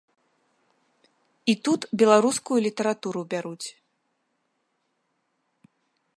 І тут беларускую літаратуру бяруць.